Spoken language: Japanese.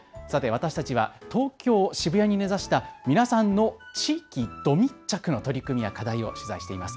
私たちは東京渋谷に根ざした皆さんの地域ド密着の取り組みや課題を取材しています。